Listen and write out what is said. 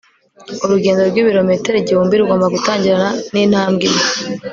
urugendo rw'ibirometero igihumbi rugomba gutangirana n'intambwe imwe